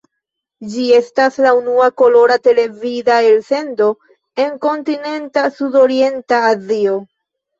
Ĝi estas la unua kolora televida elsendo en Kontinenta Sudorienta Azio.